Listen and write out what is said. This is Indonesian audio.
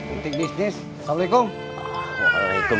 untuk bisnis assalamualaikum